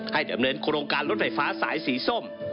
ดำเนินโครงการรถไฟฟ้าสายสีส้ม